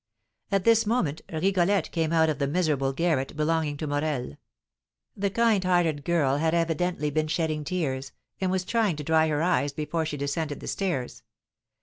At this moment Rigolette came out of the miserable garret belonging to Morel; the kind hearted girl had evidently been shedding tears, and was trying to dry her eyes before she descended the stairs.